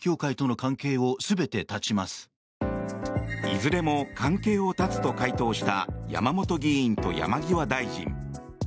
いずれも関係を絶つと回答した山本議員と山際大臣。